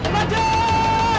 kuncul mungkin saja